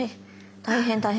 大変大変。